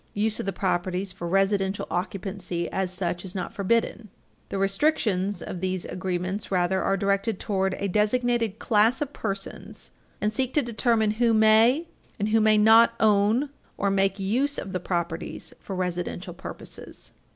Use of the properties for residential occupancy, as such, is not forbidden. The restrictions of these agreements, rather, are directed toward a designated class of persons and seek to determine who may and who may not own or make use of the properties for residential purposes.